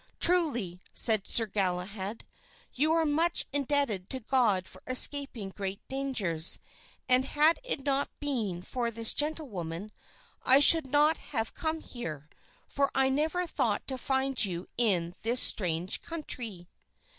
"Truly," said Sir Galahad, "you are much indebted to God for escaping great dangers; and had it not been for this gentlewoman, I should not have come here; for I never thought to find you in this strange country."